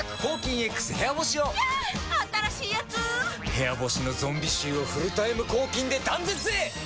部屋干しのゾンビ臭をフルタイム抗菌で断絶へ！